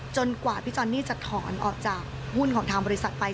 กว่าพี่จอนนี่จะถอนออกจากหุ้นของทางบริษัทไป